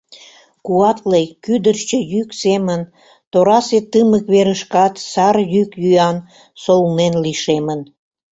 Куатле кӱдырчӧ йӱк семын Торасе тымык верышкат Сар йӱк-йӱан солнен лишемын.